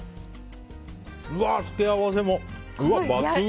うわ、付け合わせも抜群！